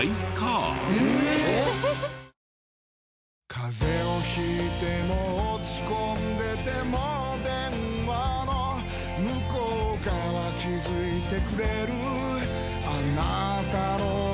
風邪を引いても落ち込んでても電話の向こう側気付いてくれるあなたの声